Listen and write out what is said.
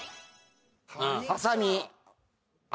ハサミ脚。